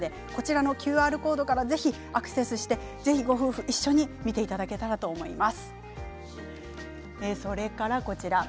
ＱＲコードからぜひアクセスしてご夫婦一緒に見ていただけたらと思います。